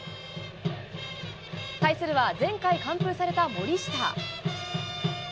対するは、前回完封された森下。